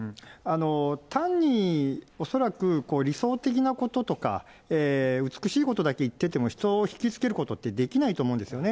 単に恐らく理想的なこととか、美しいことだけ言ってても人を引き付けることってできないと思うんですよね。